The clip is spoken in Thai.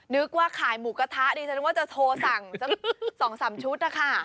นึกว่าขายหมูกระทะดิฉันนึกว่าจะโทรสั่งสัก๒๓ชุดนะคะ